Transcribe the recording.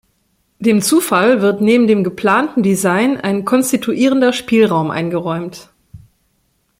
Dem Zufall wird neben dem geplanten Design ein konstituierender Spielraum eingeräumt.